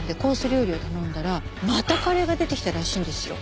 料理を頼んだらまたカレーが出てきたらしいんですよ。